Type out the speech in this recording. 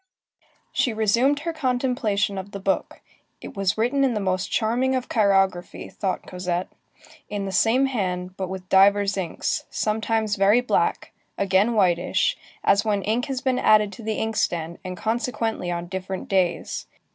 She resumed her contemplation of the book. It was written in the most charming of chirography, thought Cosette; in the same hand, but with divers inks, sometimes very black, again whitish, as when ink has been added to the inkstand, and consequently on different days.